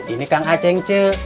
ini kang aceh ce